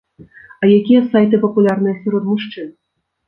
А якія сайты папулярныя сярод мужчын?